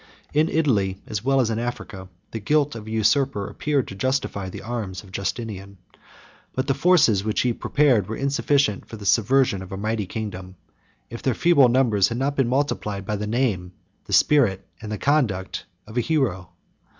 In Italy, as well as in Africa, the guilt of a usurper appeared to justify the arms of Justinian; but the forces which he prepared, were insufficient for the subversion of a mighty kingdom, if their feeble numbers had not been multiplied by the name, the spirit, and the conduct, of a hero.